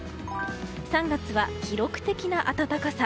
３月は記録的な暖かさ。